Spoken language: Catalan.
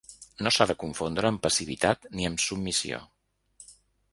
No s’ha de confondre amb passivitat ni amb submissió.